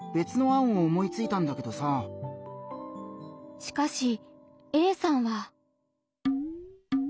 しかしＡさんは。